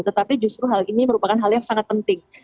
tetapi justru hal ini merupakan hal yang sangat penting